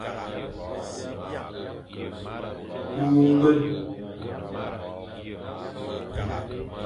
Kü ñgwel.